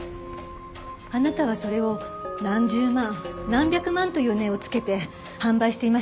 あなたはそれを何十万何百万という値を付けて販売していましたね。